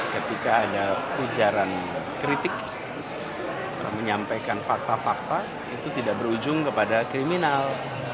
ketika ada ujaran kritik menyampaikan fakta fakta itu tidak berujung kepada kriminal